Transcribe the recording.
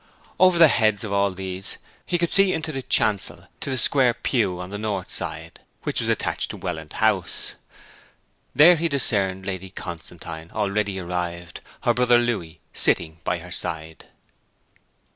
Over the heads of all these he could see into the chancel to the square pew on the north side, which was attached to Welland House. There he discerned Lady Constantine already arrived, her brother Louis sitting by her side.